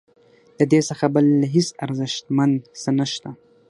ددې څخه بل هیڅ ارزښتمن څه نشته.